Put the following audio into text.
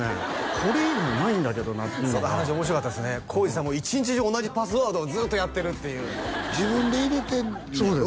これ以外ないんだけどなっていうのがその話面白かったですね耕史さん一日中同じパスワードをずっとやってるっていう自分で入れてんのやろ？